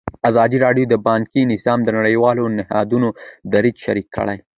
ازادي راډیو د بانکي نظام د نړیوالو نهادونو دریځ شریک کړی.